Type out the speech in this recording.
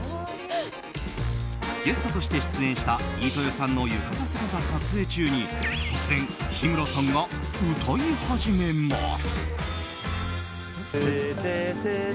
ゲストとして出演した飯豊さんの浴衣姿撮影中に突然、日村さんが歌い始めます。